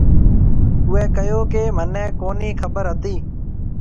اُوئي ڪھيَََو ڪہ مھنيَ ڪونھيَََ خبر ھتِي۔